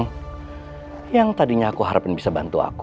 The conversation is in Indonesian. yang tadinya aku harapin bisa bantu aku